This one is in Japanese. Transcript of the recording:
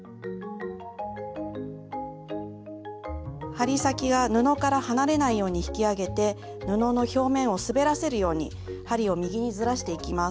針先が布から離れないように引き上げて布の表面を滑らせるように針を右にずらしていきます。